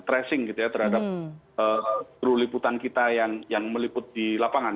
tracing gitu ya terhadap kru liputan kita yang meliput di lapangan